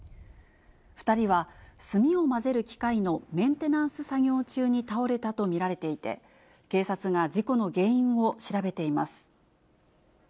２人は炭を混ぜる機械のメンテナンス作業中に倒れたと見られていて、警察が事故の原因を調べています。